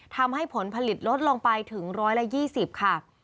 ทำให้ผลผลิตลดลงไปถึง๑๒๐ค่ะ